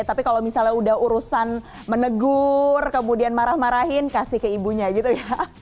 tapi kalau misalnya udah urusan menegur kemudian marah marahin kasih ke ibunya gitu ya